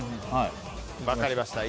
分かりました。